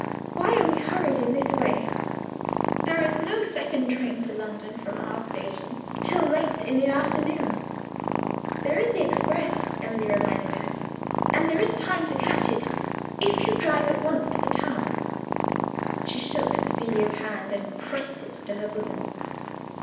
"Why are we hurried in this way? There is no second train to London, from our station, till late in the afternoon." "There is the express," Emily reminded her; "and there is time to catch it, if you drive at once to the town." She took Cecilia's hand and pressed it to her bosom.